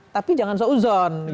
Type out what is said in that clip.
tapi jangan seuzon